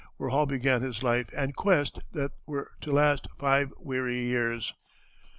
where Hall began his life and quest that were to last five weary years.